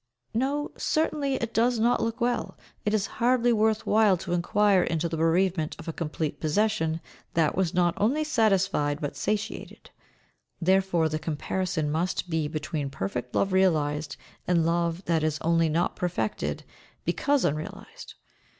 No, certainly, it does not look well. It is hardly worth while to inquire into the bereavement of a complete possession that was not only satisfied but satiated; therefore the comparison must be between perfect love realised, and love that is only not perfected because unrealised.